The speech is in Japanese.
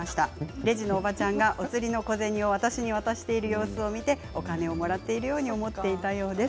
レジのおばちゃんがお釣りの小銭を私に渡している様子を見てお金をもらっているように思っていたようです。